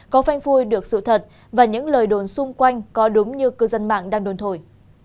có phanh phui được sự thật và những lời đồn xung quanh có đúng như cư dân mạng đang đồn thổi